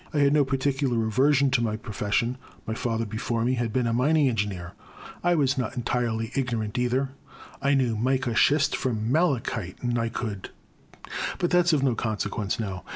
I had no particu lar aversion to my profession; my father before me had been a mining engineer. I was not en tirely ignorant either ; I knew mica chist from malachite, and I could — but that *s of no conse quence now.